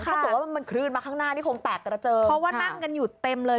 ถ้าเกิดว่ามันคลื่นมาข้างหน้านี่คงแตกกระเจิงเพราะว่านั่งกันอยู่เต็มเลย